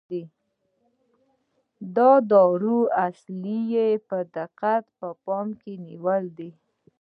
دا دواړه اصله یې په دقت په پام کې نیولي دي.